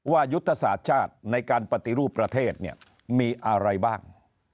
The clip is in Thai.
ยุทธศาสตร์ชาติในการปฏิรูปประเทศเนี่ยมีอะไรบ้าง